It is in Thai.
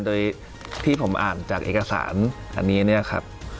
โดยที่ผมอ่านจากเอกสารอันนี้เนี่ยครับ